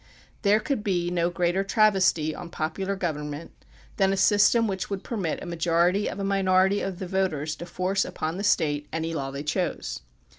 There could be no greater travesty on popular govern ment than a system which would permit a majority of a minority of the voters to force upon the State any law they chose.